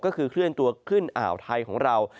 ก็คือเคลื่อนตัวขึ้นอ่าวไทยของเรา